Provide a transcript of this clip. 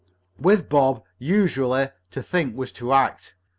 With Bob, usually, to think was to act.